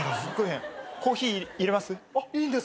コーヒー入れます？